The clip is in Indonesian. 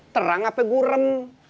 terang apa gurem